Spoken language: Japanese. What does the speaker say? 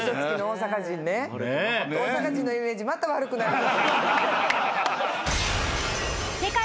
大阪人のイメージまた悪くなる。